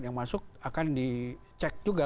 yang masuk akan dicek juga